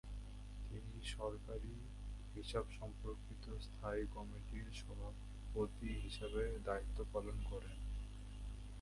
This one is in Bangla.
তিনি সরকারি হিসাব সম্পর্কিত স্থায়ী কমিটির সভাপতি হিসেবে দায়িত্ব পালন করেন।